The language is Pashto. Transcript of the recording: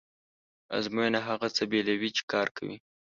ازموینه هغه څه بېلوي چې کار کوي.